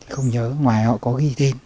không nhớ ngoài họ có ghi tin